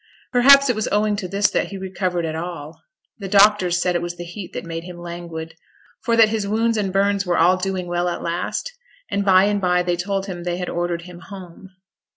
Perhaps it was owing to this that he recovered at all. The doctors said it was the heat that made him languid, for that his wounds and burns were all doing well at last; and by and by they told him they had ordered him 'home'.